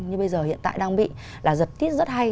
như bây giờ hiện tại đang bị là giật tít rất hay